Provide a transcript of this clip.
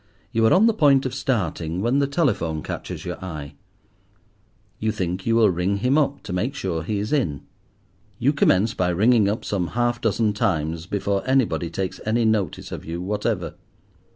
You are on the point of starting when the telephone catches your eye. You think you will ring him up to make sure he is in. You commence by ringing up some half dozen times before anybody takes any notice of you whatever.